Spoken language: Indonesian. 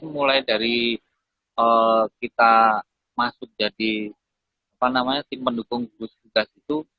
mulai dari kita masuk jadi apa namanya tim pendukung bus tugas itu